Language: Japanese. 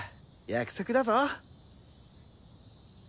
約束だぞ！